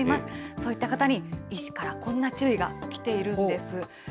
そういった方に医師からこんな注意が来ているんです。